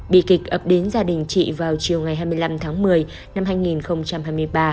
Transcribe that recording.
bi kịch ập đến gia đình chị vào chiều ngày hai mươi năm tháng một mươi năm hai nghìn hai mươi ba